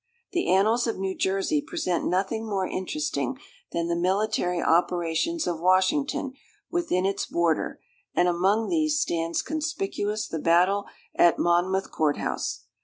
The annals of New Jersey present nothing more interesting than the military operations of Washington, within its border; and among these stands conspicuous the battle at Monmouth Court House.